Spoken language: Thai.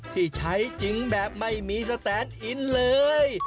ที่ใช้จริงแบบไม่มีสแตนอินเลย